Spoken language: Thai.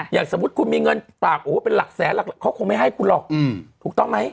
อย่างสมมุติคุณมีเงินฝากโอ้โหเป็นหลักแสนหลักเขาคงไม่ให้คุณหรอกถูกต้องไหม